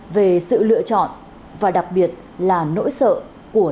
về sự lựa chọn và đặc biệt là nỗi sợ của những người